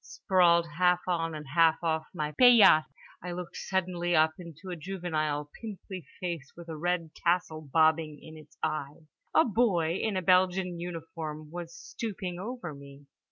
Sprawled half on and half off my paillasse, I looked suddenly up into a juvenile pimply face with a red tassel bobbing in its eyes. A boy in a Belgian uniform was stooping over me.